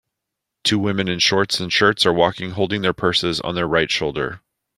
Two women in shorts and shirts are walking holding their purses on their right shoulder.